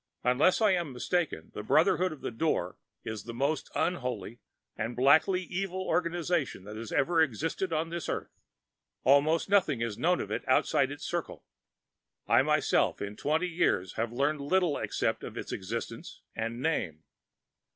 "Unless I am mistaken, the Brotherhood of the Door is the most unholy and blackly evil organization that has ever existed on this earth. Almost nothing is known of it outside its circle. I myself in twenty years have learned little except its existence and name.